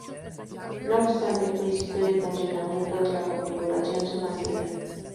No obstante, el principio de funcionamiento de la configuración se mantiene.